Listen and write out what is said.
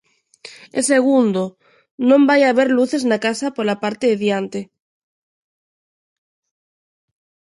E segundo: non vai haber luces na casa pola parte de diante.